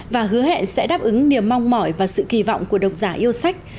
và hứa hẹn sẽ đáp ứng niềm mong mỏi và sự kỳ vọng của độc giả yêu sách